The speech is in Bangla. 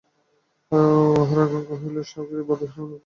উহার আকাঙ্ক্ষা হইল স্বকীয় বাধাহীন অনন্ত বিস্তার পুনরায় লাভ করা।